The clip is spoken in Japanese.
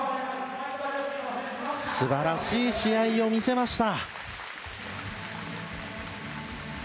素晴らしい試合を見せました。